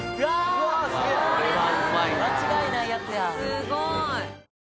すごい。